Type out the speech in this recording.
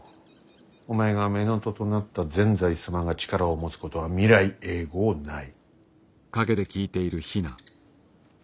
お前が乳父となった善哉様が力を持つことは未来永劫ない。